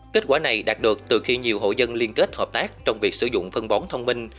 kết quả này đạt được từ khi nhiều hộ dân liên kết hợp tác trong việc sử dụng phân bón thông minh